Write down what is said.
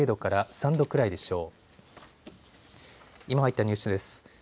今入ったニュースです。